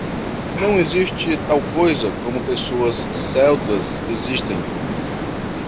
Não existe tal coisa como pessoas celtas existem.